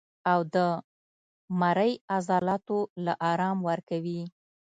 او د مرۍ عضلاتو له ارام ورکوي